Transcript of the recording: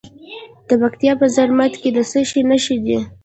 د پکتیا په زرمت کې د څه شي نښې دي؟